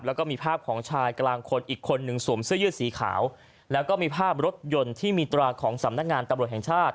แล้วก็มีภาพของชายกลางคนอีกคนหนึ่งสวมเสื้อยืดสีขาวแล้วก็มีภาพรถยนต์ที่มีตราของสำนักงานตำรวจแห่งชาติ